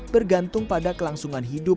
bergantung pada kelangsungan hidup